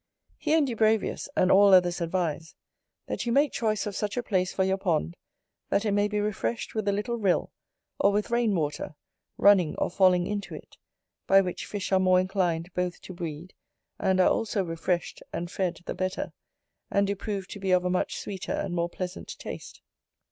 He, and Dubravius, and all others advise, that you make choice of such a place for your pond, that it may be refreshed with a little rill, or with rain water, running or falling into it; by which fish are more inclined both to breed, and are also refreshed and fed the better, and do prove to be of a much sweeter and more pleasant taste.